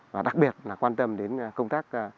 và đặc biệt là quan tâm đến công tác